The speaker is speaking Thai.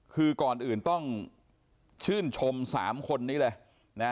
คือก่อนอื่นต้องชื่นชม๓คนนี้เลยนะ